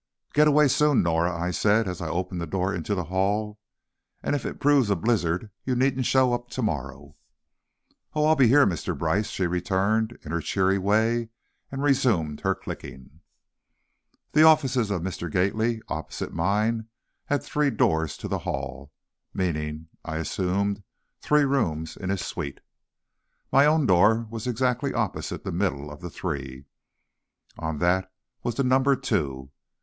"Get away soon, Norah," I said, as I opened the door into the hall, "and if it proves a blizzard you needn't show up tomorrow." "Oh, I'll be here, Mr. Brice," she returned, in her cheery way, and resumed her clicking. The offices of Mr. Gately, opposite mine, had three doors to the hall, meaning, I assumed, three rooms in his suite. My own door was exactly opposite the middle one of the three. On that was the number two.